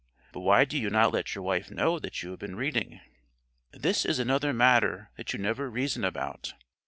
But why do you not let your wife know that you have been reading? This is another matter that you never reason about.